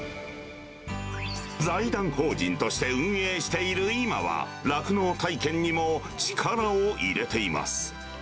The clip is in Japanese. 財団法人として運営している今は、酪農体験にも力を入れています。